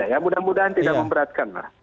ya mudah mudahan tidak memberatkan lah